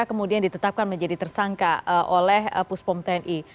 kemudian ditetapkan menjadi tersangka oleh puspom tni